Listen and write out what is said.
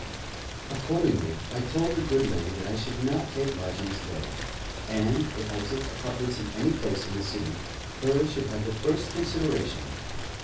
Accordingly, I told the good lady that I should not take lodgings there, and, if I took apartments in any place in the city, hers should have the first consideration.